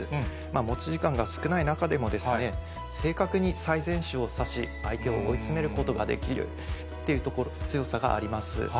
持ち時間が少ない中でも、正確に最善手を指し、相手を追い詰めることができるという強さがあります。